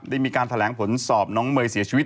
ได้มีการแถลงผลสอบน้องเมย์เสียชีวิต